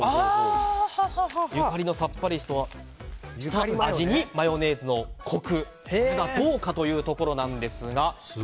ゆかりのさっぱりとした味にマヨネーズのコクがどうかというところですが。